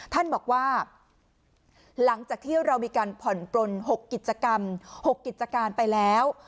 ท่านบอกว่าหลังจากที่เรามีการผ่อนปลน๖กิจกรรม๖กิจการไปแล้ว